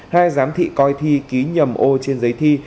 hai giám thị coi thi ký nhầm ô trên giấy thi